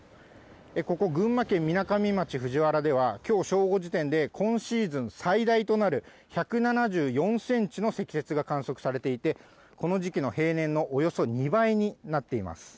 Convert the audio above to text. ここ群馬県みなかみ町藤原では、きょう正午時点で、今シーズン最大となる、１７４センチの積雪が観測されていて、この時期の平年のおよそ２倍になっています。